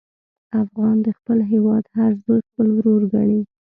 افغان د خپل هېواد هر زوی خپل ورور ګڼي.